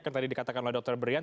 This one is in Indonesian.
karena tadi dikatakan oleh dr brian